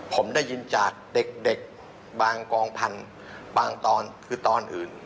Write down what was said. ผมได้ยินจากเด็กบางกองพันธุ์บางตอนคือตอนอื่น